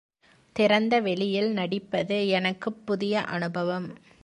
திறந்த வெளியில் நடிப்பது எனக்குப் புதிய அனுபவம்.